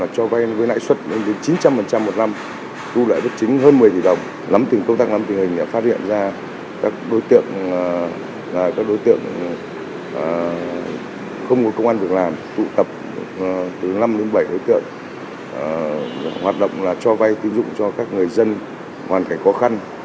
các đối tượng không ngồi công an được làm tụ tập từ năm đến bảy đối tượng hoạt động là cho vay tính dụng cho các người dân hoàn cảnh khó khăn